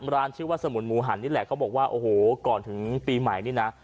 ชื่อว่าสมุนหมูหันนี่แหละเขาบอกว่าโอ้โหก่อนถึงปีใหม่นี่นะ